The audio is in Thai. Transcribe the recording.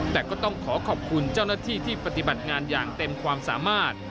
แต่ก็ต้องขอขอบคุณเจ้าหน้าที่ที่ปฏิบัติงานอย่างเต็มความสามารถ